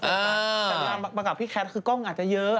แต่งานมากับพี่แคทคือกล้องอาจจะเยอะ